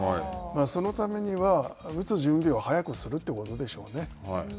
そのためには、打つ準備を早くするということでしょうね。